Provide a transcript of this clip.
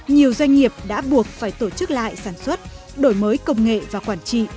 nhiều doanh nghiệp đã buộc phải tổ chức lại sản xuất đổi mới công nghệ và quản trị